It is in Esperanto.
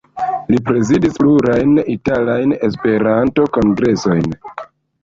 Li prezidis plurajn italajn Esperanto-kongresojn.